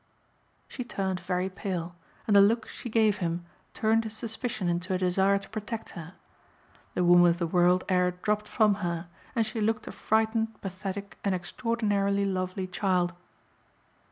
She turned very pale and the look she gave him turned his suspicion into a desire to protect her. The woman of the world air dropped from her and she looked a frightened pathetic and extraordinarily lovely child.